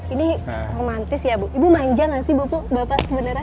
ini romantis ya bu ibu manja gak sih bapak